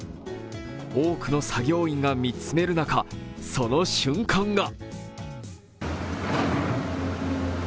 多くの作業員が見つめる中その瞬間が。